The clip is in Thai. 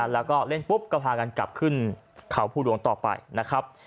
แล้วก็เล่นปุ๊บก็พากันกลับขึ้นเขาภูหลวงต่อไปนะครับ